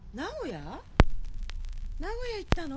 名古屋行ったの？